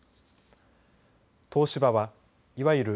東芝はいわゆる